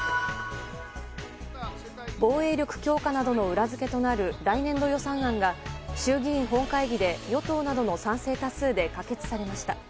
防衛力強化などの裏付けとなる来年度予算案が衆議院本会議で与党などの賛成多数で可決されました。